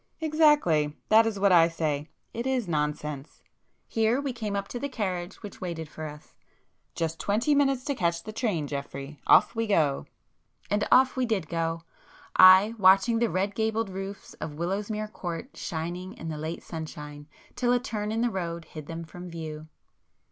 "Exactly! That is what I say. It is nonsense!" Here we came up to the carriage which waited for us—"Just twenty minutes to catch the train, Geoffrey! Off we go!" [p 242]And off we did go,—I watching the red gabled roofs of Willowsmere Court shining in the late sunshine, till a turn in the road hid them from view.